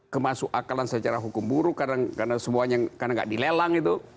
kemasuakalan secara hukum buruk karena semuanya nggak dilelang itu